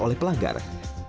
oleh pembayaran tilang